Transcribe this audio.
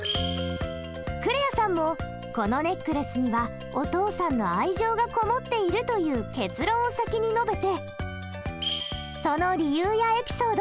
クレアさんも「このネックレスにはお父さんの愛情が籠もっている」という結論を先に述べてその理由やエピソード。